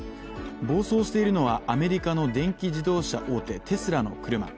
暴走しているのはアメリカの電気自動車大手テスラの車。